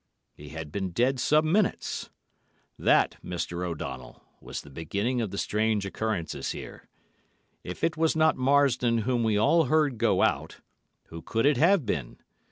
He had been dead some minutes. That, Mr. O'Donnell, was the beginning of the strange occurrences here. If it was not Marsdon whom we all heard go out, who could it have been?